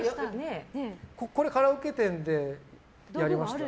これカラオケ店でやりました。